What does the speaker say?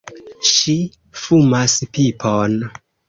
Ŝi fumas pipon!